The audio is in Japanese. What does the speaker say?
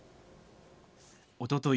おととい